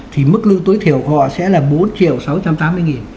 thì mức lương tối thiểu họ sẽ là bốn sáu trăm tám mươi đồng